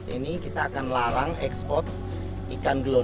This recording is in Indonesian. ini kita kan larang sekspor di kang lo